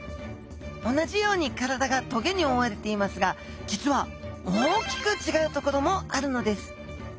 同じように体が棘に覆われていますが実は大きく違うところもあるのです。